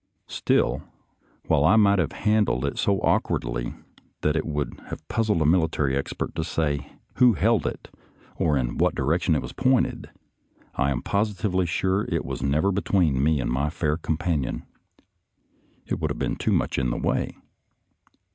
Still, while I might have han dled it so awkwardly that it would have puzzled a military expert to say who held it, or in what direction it pointed, I am positively sure it was never between me and my fair companion; it would have been too much in the way.